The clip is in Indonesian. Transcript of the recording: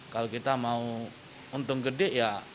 kalau kita mau untung gede ya